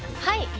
はい。